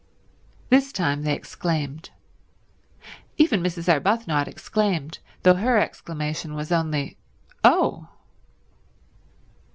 This time they exclaimed. Even Mrs. Arbuthnot exclaimed, though her exclamation was only "Oh."